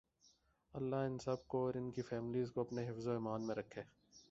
لله ان سب کو اور انکی فیملیز کو اپنے حفظ و امان میں رکھے